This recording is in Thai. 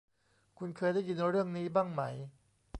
คุณเคยได้ยินเรื่องนี้บ้างไหม